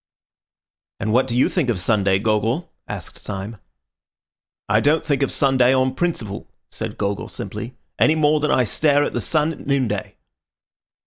"And what do you think of Sunday, Gogol?" asked Syme. "I don't think of Sunday on principle," said Gogol simply, "any more than I stare at the sun at noonday."